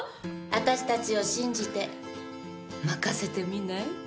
私たちを信じて任せてみない？